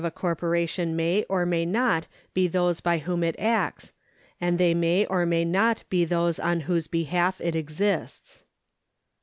§ 115] PERSONS 287 a corporation may or may not be those by whom it acts, and they may or may not be those on whose behalf it exists.